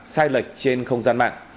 sai lệch trên không gian mạng